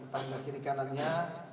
tangga kiri kanannya